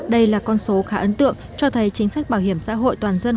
đây là con số khá ấn tượng cho thấy chính sách bảo hiểm xã hội tự nguyện